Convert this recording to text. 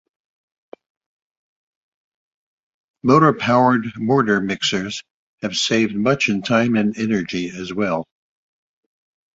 Motor powered mortar mixers have saved much in time and energy as well.